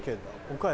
岡山？